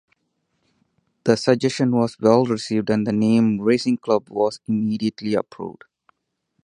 The suggestion was well received and the name "Racing Club" was immediately approved.